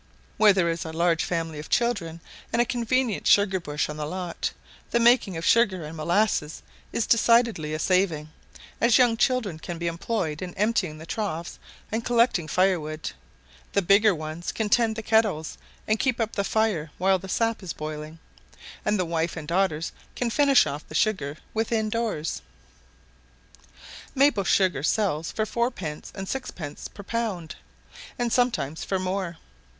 Where there is a large family of children and a convenient sugar bush on the lot, the making of sugar and molasses is decidedly a saving; as young children can be employed in emptying the troughs and collecting fire wood, the bigger ones can tend the kettles and keep up the fire while the sap is boiling, and the wife and daughters can finish off the sugar within doors. Maple sugar sells for four pence and six pence per pound, and sometimes for more.